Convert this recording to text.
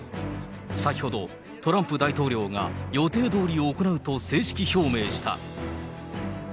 先ほど、トランプ大統領が予定どおり行うと正式表明した。